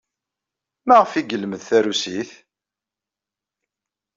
Maɣef ay yelmed tarusit?